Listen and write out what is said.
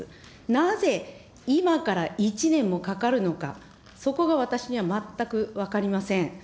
なぜ、今から１年もかかるのか、そこが私には全く分かりません。